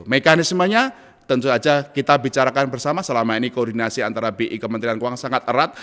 mekanismenya tentu saja kita bicarakan bersama selama ini koordinasi antara bi kementerian keuangan sangat erat